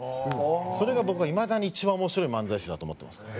それが僕はいまだに一番面白い漫才師だと思ってますから。